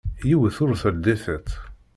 Yiwet ur teldi tiṭ.